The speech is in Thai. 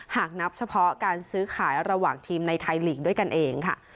หากนับเฉพาะการซื้อขายระหว่างทีมในไทยลีกด้วยกันเองค่ะ